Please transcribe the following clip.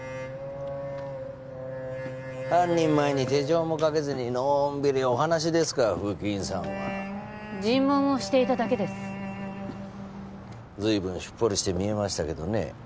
犯人前に手錠もかけずにのんびりお話ですか風紀委員さんは尋問をしていただけです随分シッポリして見えましたけどね